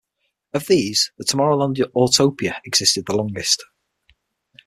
Of these, the Tomorrowland Autopia existed the longest.